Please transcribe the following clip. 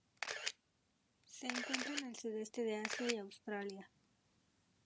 Se encuentra en el Sudeste de Asia y Australia.